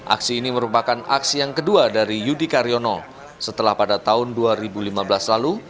aksi ini merupakan aksi yang kedua dari yudi karyono setelah pada tahun dua ribu lima belas lalu